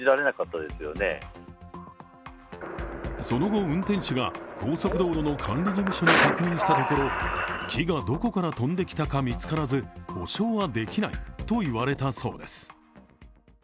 その後、運転手が高速道路の管理事務所に確認したところ木がどこから飛んできたか見つからず補償はできないと言われたそうです。